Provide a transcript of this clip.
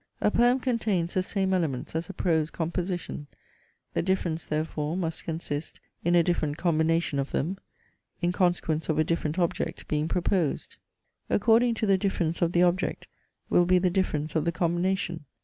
A poem contains the same elements as a prose composition; the difference therefore must consist in a different combination of them, in consequence of a different object being proposed. According to the difference of the object will be the difference of the combination.